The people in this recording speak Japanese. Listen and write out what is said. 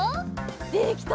できた！